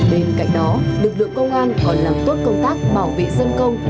bên cạnh đó lực lượng công an còn làm tốt công tác bảo vệ dân công